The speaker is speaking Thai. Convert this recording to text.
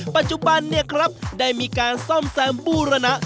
ปัจจุบันเนี่ยครับได้มีการซ่อมแซมบูรณะ